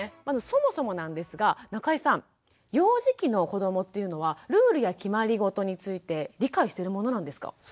そもそもなんですが中井さん幼児期の子どもっていうのはルールや決まりごとについて理解してるものなんですか？